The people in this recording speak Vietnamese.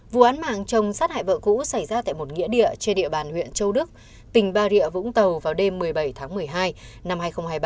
vụ án mạng trồng sát hại vợ cũ xảy ra tại một nghĩa địa trên địa bàn huyện châu đức tỉnh bà rịa vũng tàu vào đêm một mươi bảy tháng một mươi hai năm hai nghìn hai mươi ba